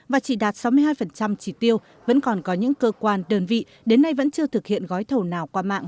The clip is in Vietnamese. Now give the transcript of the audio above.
và chỉ đạt sáu mươi hai chỉ tiêu vẫn còn có những cơ quan đơn vị đến nay vẫn chưa thực hiện gói thầu nào qua mạng